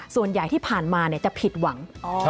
ส่วนใหญ่ที่ผ่านมาจะผิดหวัง